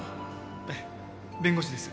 ええ弁護士です。